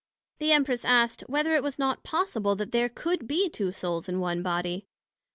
The Empress asked, Whether it was not possible that there could be two Souls in one Body?